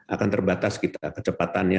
akan terbatas kita kecepatannya